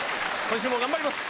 今週も頑張ります！